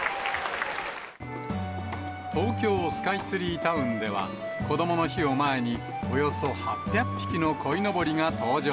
東京スカイツリータウンでは、こどもの日を前に、およそ８００匹のこいのぼりが登場。